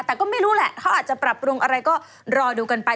แต่ก็ไม่รู้แหละเขาอาจจะปรับปรุงอะไรก็รอดูกันไป